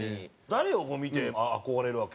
誰を見て憧れるわけ？